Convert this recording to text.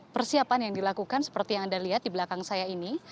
persiapan yang dilakukan seperti yang anda lihat di belakang saya ini